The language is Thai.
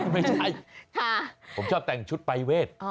ไม่ใช่ผมชอบแต่งชุดปรายเวท